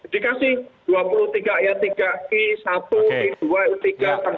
dikasih dua puluh tiga ayat tiga i satu i dua i tiga sampai i sepuluh